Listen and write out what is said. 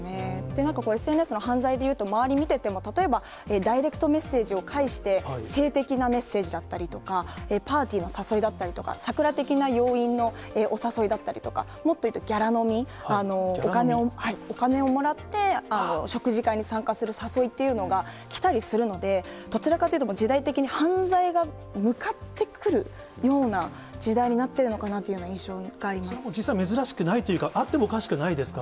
なんかＳＮＳの犯罪でいうと、周り見てても、例えば、ダイレクトメッセージを介して、性的なメッセージだったりとか、パーティーの誘いだったりとか、サクラ的な要員のお誘いだったりだとか、もっと言うとギャラ飲み、お金をもらって食事会に参加する誘いっていうのが来たりするので、どちらかというと、時代的に犯罪が向かってくるような時代になってるのかなっていうそれも実際、珍しくないというか、あってもおかしくないですか。